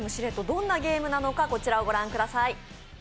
どんなゲームなのかご覧ください。